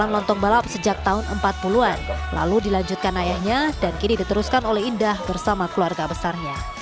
delapan lontong balap sejak tahun empat puluh an lalu dilanjutkan ayahnya dan kini diteruskan oleh indah bersama keluarga besarnya